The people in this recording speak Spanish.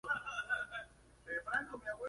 Omsk honra la herencia hasta este día.